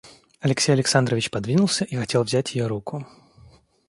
Алексей Александрович подвинулся и хотел взять ее руку.